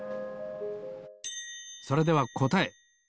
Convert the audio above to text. それではこたえ。